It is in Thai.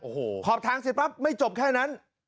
โอ้โหขอบทางเสร็จปั๊บไม่จบแค่นั้น